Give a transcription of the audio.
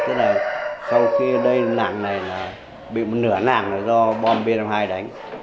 tức là sau khi đây làng này là bị một nửa nàng là do bom b hai đánh